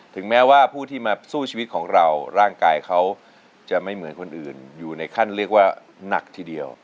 แม้ว่าผู้ที่มาสู้ชีวิตของเราร่างกายเขาจะไม่เหมือนคนอื่นอยู่ในขั้นเรียกว่าหนักทีเดียว